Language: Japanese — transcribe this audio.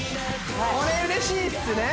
それうれしいっすね！